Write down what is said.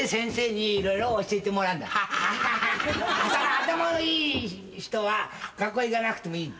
頭のいい人は学校行かなくてもいいの。